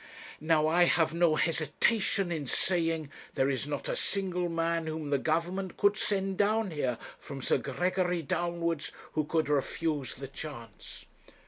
Now, I have no hesitation in saying there is not a single man whom the Government could send down here, from Sir Gregory downwards, who could refuse the chance.'